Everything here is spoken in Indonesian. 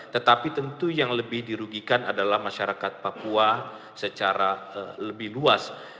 tetapi tentu yang lebih dirugikan adalah masyarakat papua secara lebih luas